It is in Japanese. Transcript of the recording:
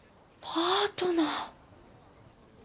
パートナー？